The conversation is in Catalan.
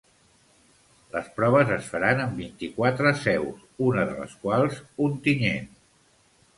Les proves es faran en vint-i-quatre seus, una de les quals Ontinyent.